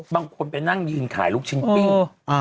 บางคนไปนั่งยืนขายลูกชิ้นปิ้ง